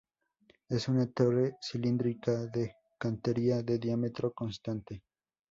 Es una torre cilíndrica, de cantería, de diámetro constante.